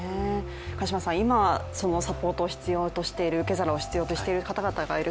今、サポート、受け皿を必要としている方々がいる。